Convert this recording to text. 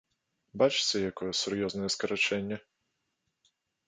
Бачыце, якое сур'ёзнае скарачэнне?